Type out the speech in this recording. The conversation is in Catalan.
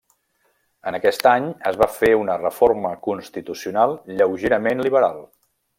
En aquest any es va fer una reforma constitucional lleugerament liberal.